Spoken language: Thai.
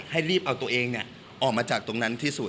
ให้รีบเอาตัวเองออกมาจากตรงนั้นที่สุด